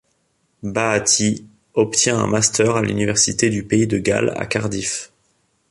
Bahati obtient un master à l’université du pays de Galles à Cardiff.